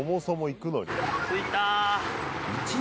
着いた！